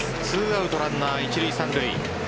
２アウトランナー一塁・三塁。